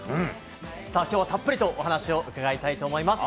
きょうはたっぷりとお話を伺いたいと思います。